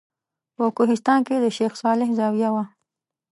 په کوهستان کې د شیخ صالح زاویه وه.